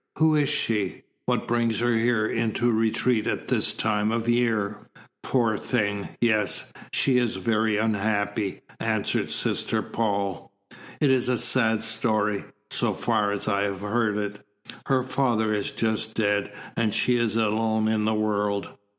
Who is she? What brings her into retreat at this time of year?" "Poor thing yes, she is very unhappy," answered Sister Paul. "It is a sad story, so far as I have heard it. Her father is just dead, and she is alone in the world.